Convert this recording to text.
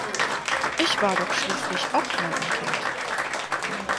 Ich war doch schließlich auch mal ein Kind.